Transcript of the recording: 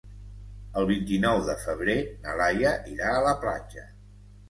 El vint-i-nou de febrer na Laia irà a la platja.